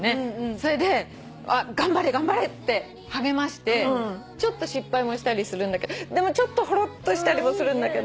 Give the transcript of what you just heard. それで頑張れ頑張れって励ましてちょっと失敗もしたりするんだけどでもちょっとほろっとしたりもするんだけど。